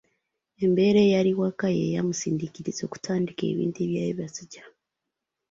Embeera eyali awaka y’eyamusindiikiriza okutandika ebintu by’abasajja.